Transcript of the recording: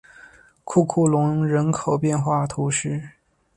库库龙人口变化图示